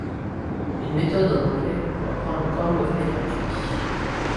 une méthode en anglais pour apprendre le cornouaillais, gratuit.